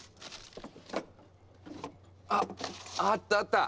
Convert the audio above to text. あっあったあった！